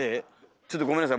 ちょっとごめんなさい